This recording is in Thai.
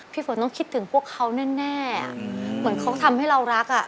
ฝนต้องคิดถึงพวกเขาแน่เหมือนเขาทำให้เรารักอ่ะ